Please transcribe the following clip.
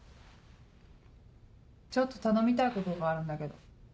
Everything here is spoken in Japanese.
ちょっと頼みたいことがあるんだけど。